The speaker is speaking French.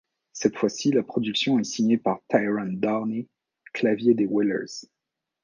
Cette fois-ci la production est signée par Tyrone Downie, clavier des Wailers.